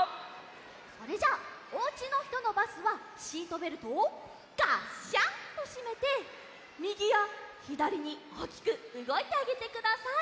それじゃあおうちのひとのバスはシートベルトをガッシャンっとしめてみぎやひだりにおおきくうごいてあげてください。